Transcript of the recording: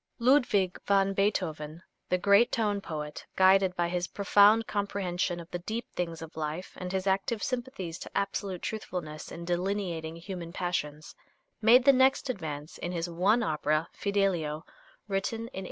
Ludwig van Beethoven, the great tone poet, guided by his profound comprehension of the deep things of life and his active sympathies to absolute truthfulness in delineating human passions, made the next advance in his one opera, "Fidelio," written in 1805.